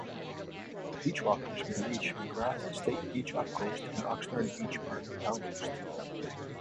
Beachwalkers may reach McGrath State Beach upcoast and Oxnard Beach Park downcoast.